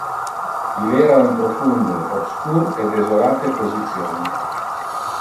Il era un profunde, obscur e desolate position.